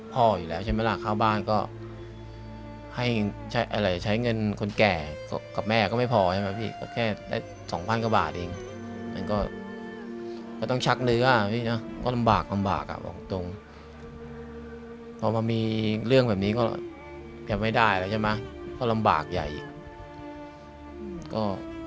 พ่ออยู่แล้วใช่ไหมล่ะข้าวบ้านก็